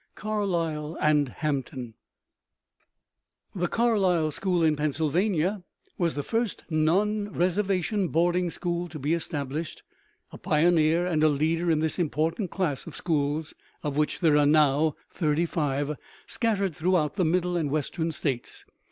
CARLISLE AND HAMPTON The Carlisle School in Pennsylvania was the first non reservation boarding school to be established, a pioneer and a leader in this important class of schools, of which there are now thirty five, scattered throughout the Middle and Western States.